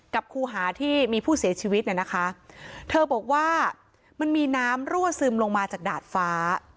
คูหาที่มีผู้เสียชีวิตเนี่ยนะคะเธอบอกว่ามันมีน้ำรั่วซึมลงมาจากดาดฟ้า